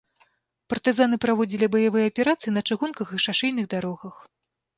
Партызаны праводзілі баявыя аперацыі на чыгунках і шашэйных дарогах.